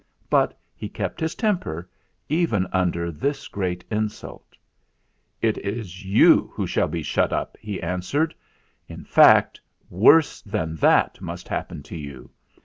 But he kept his temper even under this great insult. "It is you who will be shut up," he answered. "In fact, worse than that must happen to you.